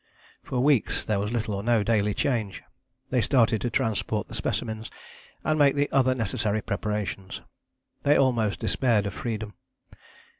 For weeks there was little or no daily change. They started to transport the specimens and make the other necessary preparations. They almost despaired of freedom.